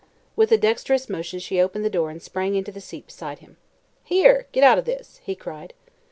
With a dexterous motion she opened the door and sprang into the seat beside him. "Here! Get out of this," he cried.